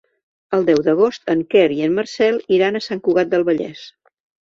El deu d'agost en Quer i en Marcel iran a Sant Cugat del Vallès.